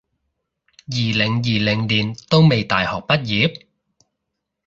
二零二零年都未大學畢業？